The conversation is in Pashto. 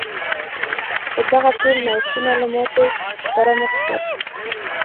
خو دغه ټول نوښتونه له ماتې سره مخ شول.